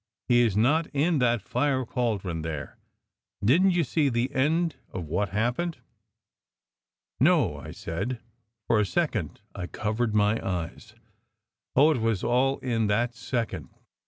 He is not in that fire cauldron there. Didn t you see the end of what happened?" " No !" I said ." For a second I covered my eyes ." Oh, it was all in that second